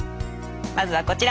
まずはこちら。